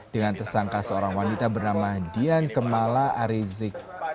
dengan tersangka seorang wanita bernama dian kemala arizik